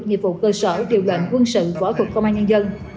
nghiệp vụ cơ sở điều lệnh quân sự võ thuật công an nhân dân